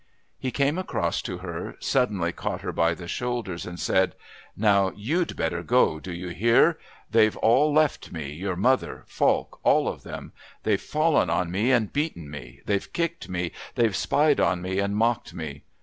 He came across to her, suddenly caught her by the shoulders, and said: "Now, you'd better go, do you hear? They've all left me, your mother, Falk, all of them. They've fallen on me and beaten me. They've kicked me. They've spied on me and mocked me.